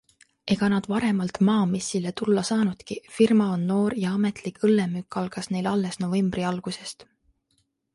Ega nad varemalt maamessile tulla saanudki, firma on noor ja ametlik õllemüük algas neil alles novembri algusest.